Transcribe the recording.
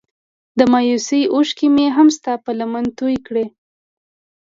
د مايوسۍ اوښکې مې هم ستا په لمن توی کړې.